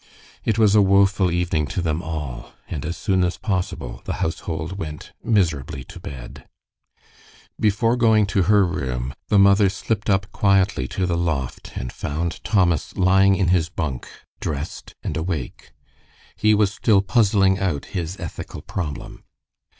It was a woeful evening to them all, and as soon as possible the household went miserably to bed. Before going to her room the mother slipped up quietly to the loft and found Thomas lying in his bunk, dressed and awake. He was still puzzling out his ethical problem.